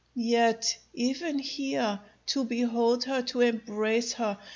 Yet even here, to behold her, to embrace her!